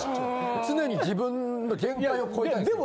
常に自分の限界を超えたいんです。